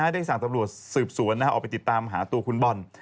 ได้สั่งตำรวจสืบสวนออกไปติดตามหาตัวคุณบอล